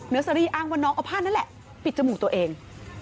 เซอรี่อ้างว่าน้องเอาผ้านั่นแหละปิดจมูกตัวเอง